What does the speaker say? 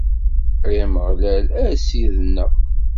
Ay Ameɣlal, a Ssid-nneɣ!